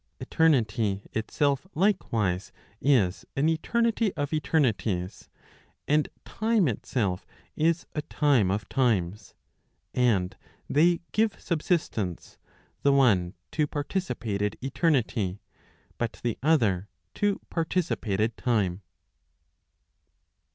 Eternity itself likewise is an eternity of eternities, and time itself is a time of times; and they give subsistence, the one to participated eternity, but the other to participated time.